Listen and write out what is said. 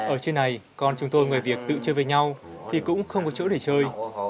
ở trên này con chúng tôi ngoài việc tự chơi về nhau thì cũng không có chỗ để chơi